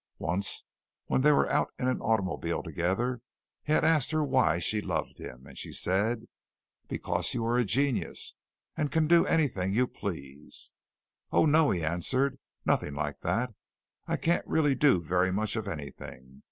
Once when they were out in an automobile together, he had asked her why she loved him, and she said, "because you are a genius and can do anything you please." "Oh, no," he answered, "nothing like that. I can't really do very much of anything.